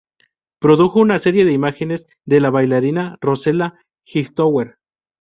Produjo una serie de imágenes de la bailarina Rosella Hightower.